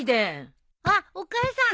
あっお母さん。